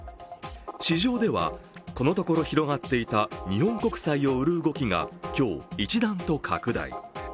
市場では、このところ広がっていた日本国債を売る動きが今日、一段と拡大。